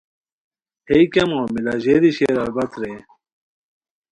ہئے کیہ معاملہ، ژیری شیر البت رے